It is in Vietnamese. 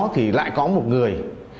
thì lại có một người